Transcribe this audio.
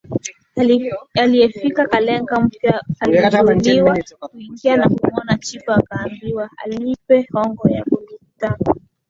aliyefika Kalenga mpya alizuiliwa kuingia na kumwona chifu akaambiwa alipe hongo ya bunduki tano